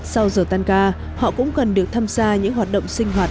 sau giờ tan ca họ cũng cần được tham gia những hoạt động sinh hoạt